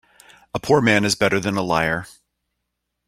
A poor man is better than a liar.